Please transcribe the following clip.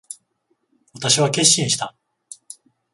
私は決心した。